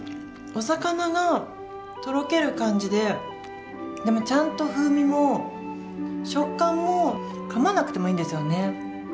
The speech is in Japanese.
お魚のとろける感じででもちゃんと風味も食感もかまなくてもいいんですよね。